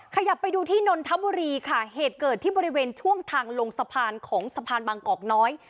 ขยับไปดูที่นนทบุรีค่ะเหตุเกิดที่บริเวณช่วงทางลงสะพานของสะพานบางกอกน้อย